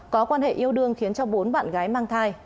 có quan hệ yêu đương khiến cho bốn bạn gái mang thai